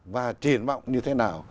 và triển mộng như thế nào